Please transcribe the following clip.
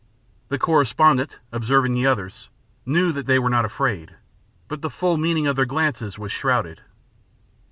The correspondent, observing the others, knew that they were not afraid, but the full meaning of their glances was shrouded.